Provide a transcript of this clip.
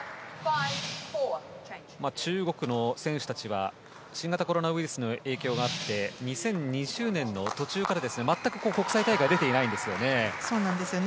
中国の選手たちは新型コロナウイルスの影響があって２０２０年の途中から全く国際大会に出ていないんですね。